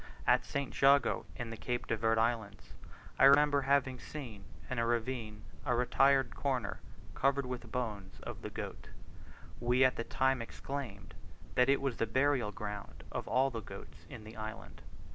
At St. Jago in the Cape de Verd Islands, I remember having seen in a ravine a retired corner covered with bones of the goat; we at the time exclaimed that it was the burial ground of all the goats in the island.